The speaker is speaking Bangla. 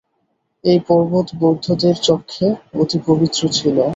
এই পর্বত বৌদ্ধদের চক্ষে অতি পবিত্র ছিল।